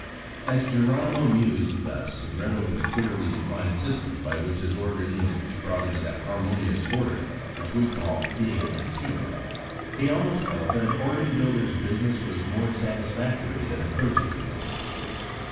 As Geronimo mused thus, and read over the clearly defined system by which his organ was to be brought into that harmonious order which we call "being in tune," he almost felt that an organ builder's business was more satisfactory than a clergyman's.